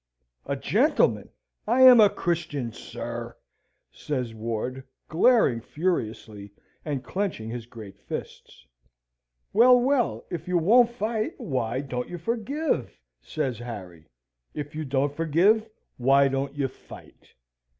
"A gentleman! I am a Christian, sir!" says Ward, glaring furiously, and clenching his great fists. "Well, well, if you won't fight, why don't you forgive?" says Harry. "If you don't forgive, why don't you fight?